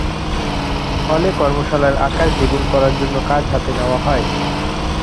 ফলে কর্মশালার আকার দ্বিগুণ করার জন্য কাজ হাতে নেওয়া হয়।